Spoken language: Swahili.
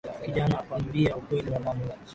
Kijana akamwambia ukweli wa mambo.